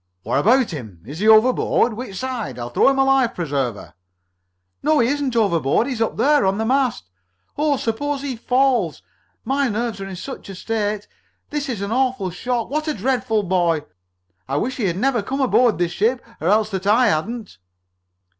"What about him? Is he overboard? Which side? I'll throw him a life preserver!" "No, he isn't overboard! He's up there! On the mast! Oh! Suppose he falls! My nerves are in such a state! This is an awful shock! What a dreadful boy! I wish he had never come aboard this ship, or else that I hadn't!"